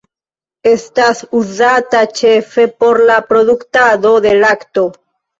Estas uzata ĉefe por la produktado de lakto.